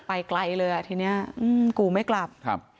ไกลเลยอ่ะทีนี้กูไม่กลับครับ